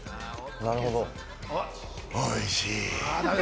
なるほど。